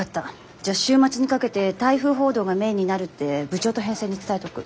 じゃあ週末にかけて台風報道がメインになるって部長と編成に伝えとく。